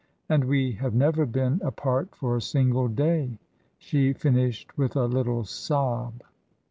"And we have never been apart for a single day!" She finished with a little sob.